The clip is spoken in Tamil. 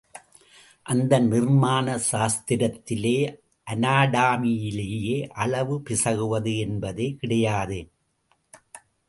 அந்த நிர்மாண சாஸ்திரத்திலே அனாடாமியிலே அளவு பிசகுவது என்பதே கிடையாது.